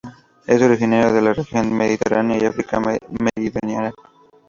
Es originario de la región mediterránea y África meridional.